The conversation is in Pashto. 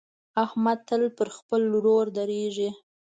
احمد تل پر خپل ورور درېږي.